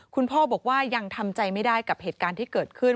คุณพ่อบอกว่ายังทำใจไม่ได้กับเหตุการณ์ที่เกิดขึ้น